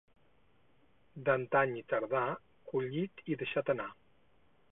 D'antany i tardà, collit i deixat anar.